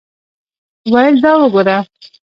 ویل دا وګوره.